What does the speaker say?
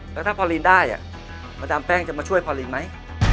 แล้วถ้าพอลินได้มาดามแป้งจะมาช่วยพอลินไหม